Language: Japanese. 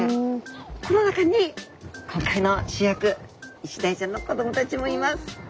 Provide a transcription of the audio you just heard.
この中に今回の主役イシダイちゃんの子どもたちもいます。